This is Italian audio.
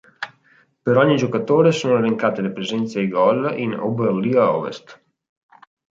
Per ogni giocatore sono elencate le presenze e i gol in "Oberliga Ovest".